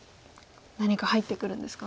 何か入ってくるんですか？